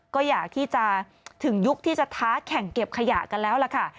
ก็อยากที่จะถึงยุคที่จะท้าแข่งเก็บขยะกันแล้วล่ะค่ะ